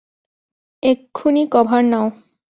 এক্ষুনি কভার নাও!